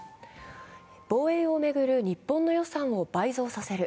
防衛を巡る日本の予算を倍増させる。